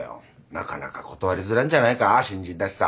なかなか断りづらいんじゃないか新人だしさ。